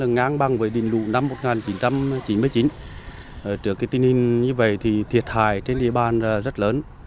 như vậy thì thiệt hại trên địa bàn rất lớn